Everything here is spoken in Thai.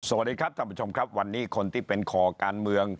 สวัสดีครับท่านผู้ชมครับวันนี้คนที่เป็นขอการเมือง